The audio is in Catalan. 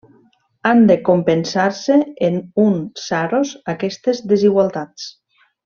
Han de compensar-se en un Saros aquestes desigualtats.